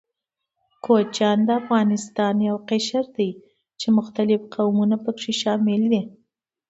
کوچيان د افغانستان يو قشر ده، چې مختلف قومونه پکښې شامل دي.